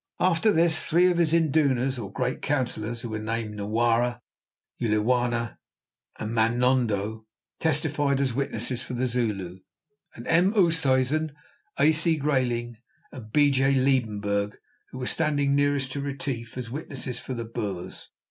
After this, three of his indunas, or great councillors, who were named Nwara, Yuliwana and Manondo, testified as witnesses for the Zulus, and M. Oosthuyzen, A. C. Greyling and B. J. Liebenberg, who were standing nearest to Retief, as witnesses for the Boers.